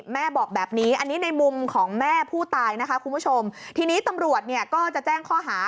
แม่บอกแบบนี้อันนี้ในมุมของแม่ผู้ตายนะคะคุณผู้ชมทีนี้ตำรวจเนี่ยก็จะแจ้งข้อหา